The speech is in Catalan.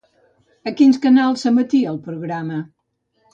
A quins canals s'emetia el programa?